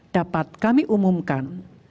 dapat kami umumkan